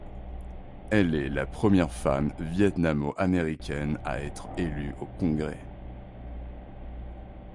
Elle est la première femme viêtnamo-américaine à être élue au Congrès.